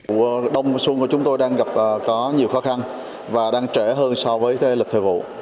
vụ đông xuân của chúng tôi đang gặp có nhiều khó khăn và đang trễ hơn so với lịch thời vụ